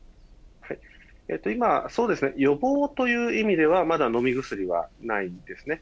今、そうですね、予防という意味ではまだ飲み薬はないんですね。